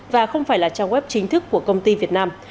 và không phải là trang web chính thức của công ty việt nam